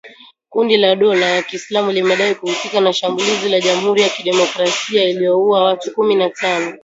Kundi la dola ya kiislamu limedai kuhusika na shambulizi la jamhuri ya kidemokrasia lililouwa watu kumi na tano